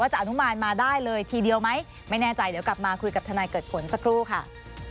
จะอนุมานมาได้เลยทีเดียวไหมไม่แน่ใจเดี๋ยวกลับมาคุยกับทนายเกิดผลสักครู่ค่ะ